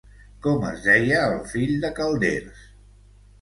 Com es deia el fill de Calders?